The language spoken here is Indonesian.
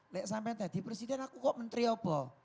lihat sampe tadi presiden aku kok menteri apa